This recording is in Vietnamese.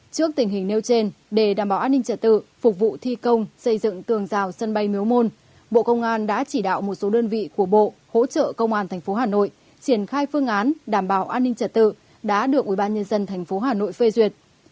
trước tình hình nêu trên để đảm bảo an ninh trật tự phục vụ thi công xây dựng tường rào sân bay miếu môn bộ công an đã chỉ đạo một số đơn vị của bộ hỗ trợ công an tp hà nội triển khai phương án đảm bảo an ninh trật tự đã được ubnd tp hà nội phê duyệt